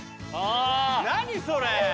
何それ？